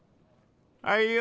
はいよ。